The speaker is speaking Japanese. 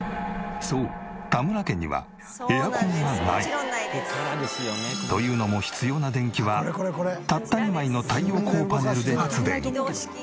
そう田村家にはというのも必要な電気はたった２枚の太陽光パネルで発電。